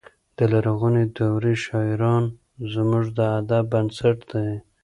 د لرغونې دورې شاعران زموږ د ادب بنسټ دی.